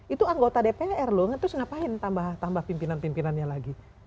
itu anggota dpr loh terus ngapain tambah pimpinan pimpinannya lagi